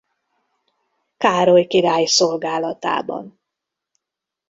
Károly király szolgálatában.